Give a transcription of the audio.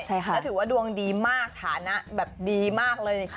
แล้วถือว่าดวงดีมากฐานะแบบดีมากเลย